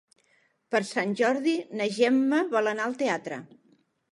Per Sant Jordi na Gemma vol anar al teatre.